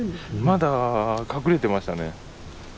まだ隠れてましたね。